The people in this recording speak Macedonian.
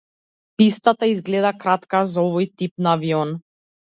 Пистата изгледа кратка за овој тип на авион.